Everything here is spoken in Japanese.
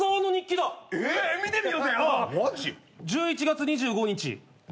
「１１月２５日」